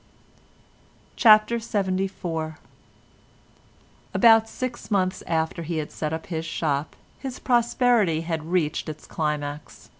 CHAPTER LXXIV About six months after he had set up his shop his prosperity had reached its climax.